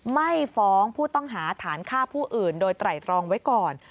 ไม่ฟ้องผู้ต้องหาฐานฆ่าผู้อื่นโดยไตรตรองไว้ก่อน